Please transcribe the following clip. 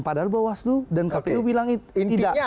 padahal bawaslu dan kpu bilang itu tidak